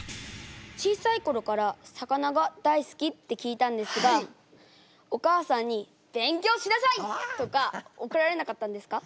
小さい頃から魚が大好きって聞いたんですがお母さんに「勉強しなさい！」とか怒られなかったんですか？